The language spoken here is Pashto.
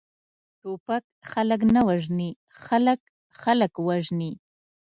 ټوپک خلک نه وژني، خلک، خلک وژني!